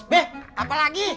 eh be apa lagi